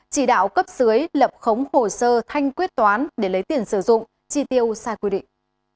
chỉ đạo cấp dưới lập khống hồ sơ thanh quyết toán để lấy tiền sử dụng chi tiêu sai quy định